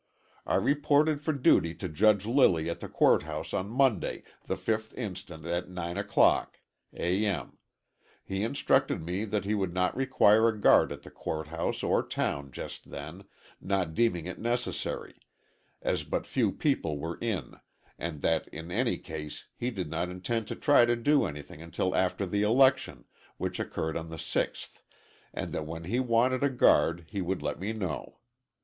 I reported for duty to Judge Lilly at the court house on Monday, the 5th inst., at 9 o'clock A. M. He instructed me that he would not require a guard at the court house or town just then, not deeming it necessary, as but few people were in, and that in any case he did not intend to try to do anything until after the election, which occurred on the 6th, and that when he wanted a guard he would let me know.